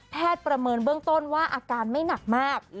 ประเมินเบื้องต้นว่าอาการไม่หนักมาก